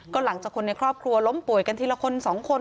ก็หลังจากคนในครอบครัวล้มป่วยกันทีละคนสองคน